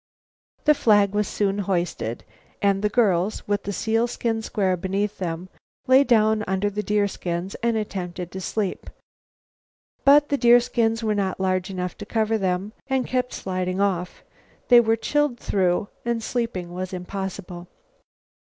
The flag was soon hoisted, and the girls, with the sealskin square beneath them, lay down under the deerskins and attempted to sleep. But the deerskins were not large enough to cover them, and kept sliding off. They were chilled through and sleep was impossible.